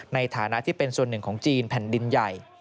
ในฐานะที่เป็นส่วนหนึ่งของจีนแผ่นดินใหญ่